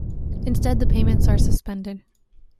Instead the payments are suspended.